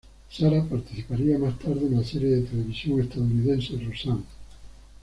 Sara participaría más tarde en la serie de televisión estadounidense "Roseanne".